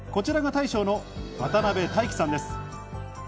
こちらが大将の渡辺大棋さんです。